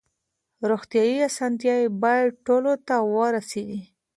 روغتیايي اسانتیاوې باید ټولو ته ورسیږي.